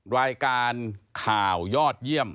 รายการข่าวยอดเยี่ยม